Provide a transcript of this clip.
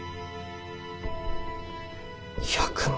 １００万？